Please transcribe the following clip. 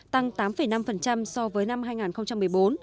tăng tám năm so với năm hai nghìn một mươi bốn